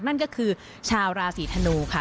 นั่นก็คือชาวราศีธนูค่ะ